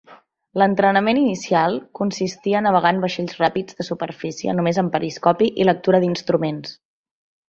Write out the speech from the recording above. L'entrenament inicial consistia a navegar en vaixells ràpids de superfície només amb periscopi i lectura d'instruments.